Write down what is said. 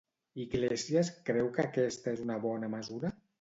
Iglesias creu que aquesta és una bona mesura?